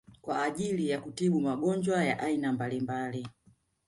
kwa ajili ya kutibu magonjwa ya aina mbalimbali